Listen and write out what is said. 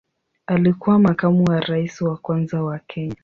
Alikuwa makamu wa rais wa kwanza wa Kenya.